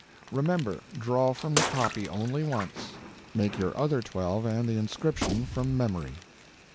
Remember—draw from the copy only once; make your other twelve and the inscription from memory.